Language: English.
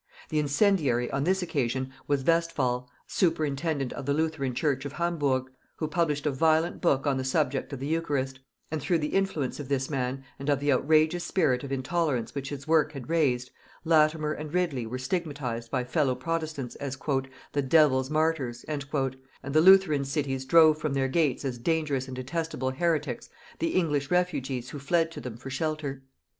The incendiary on this occasion was Westphal, superintendant of the Lutheran church of Hamburgh, who published a violent book on the subject of the eucharist; and through the influence of this man, and of the outrageous spirit of intolerance which his work had raised, Latimer and Ridley were stigmatized by fellow protestants as "the devil's martyrs," and the Lutheran cities drove from their gates as dangerous and detestable heretics the English refugees who fled to them for shelter.